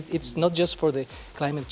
tapi itu sudah lama lalu